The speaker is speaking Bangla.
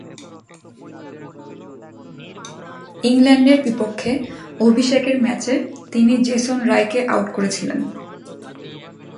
ইংল্যান্ডের বিপক্ষে অভিষেকের ম্যাচে তিনি জেসন রায়কে আউট করেছিলেন।